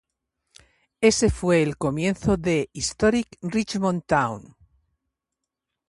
Ese fue el comienzo de Historic Richmond Town.